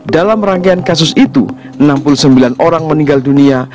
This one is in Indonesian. dalam rangkaian kasus itu enam puluh sembilan orang meninggal dunia